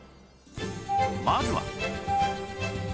まずは